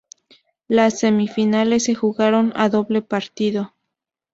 Las semifinales se jugaron a doble partido.